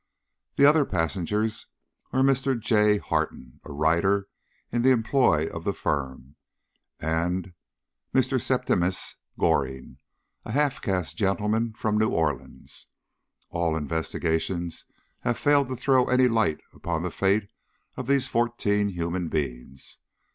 The other passengers were Mr. J. Harton, a writer in the employ of the firm, and Mr. Septimius Goring, a half caste gentleman, from New Orleans. All investigations have failed to throw any light upon the fate of these fourteen human beings.